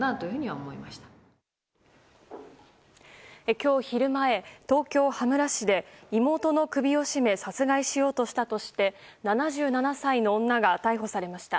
今日昼前、東京・羽村市で妹の首を絞め殺害しようとしたとして７７歳の女が逮捕されました。